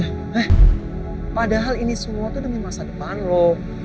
eh padahal ini semua tuh demi masa depan lu